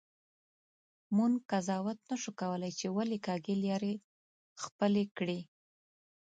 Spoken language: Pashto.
مونږ قضاوت نسو کولی چې ولي کږې لیارې خپلي کړي.